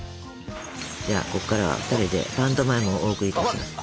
じゃあこっからは２人でパントマイムをお送りいたします。